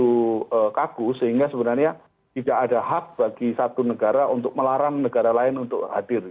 itu kagu sehingga sebenarnya tidak ada hak bagi satu negara untuk melarang negara lain untuk hadir